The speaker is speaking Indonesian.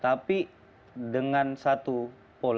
tapi dengan satu pola yang betul betul mengembangkan kebijakan